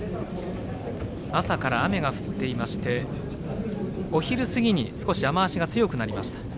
朝から雨が降っていましてお昼過ぎに少し雨足が強くなりました。